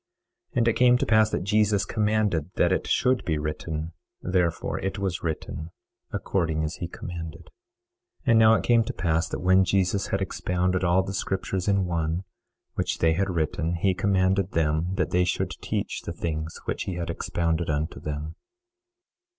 23:13 And it came to pass that Jesus commanded that it should be written; therefore it was written according as he commanded. 23:14 And now it came to pass that when Jesus had expounded all the scriptures in one, which they had written, he commanded them that they should teach the things which he had expounded unto them.